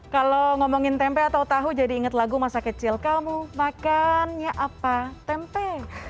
kalau ngomongin tempe atau tahu jadi inget lagu masa kecil kamu makannya apa tempe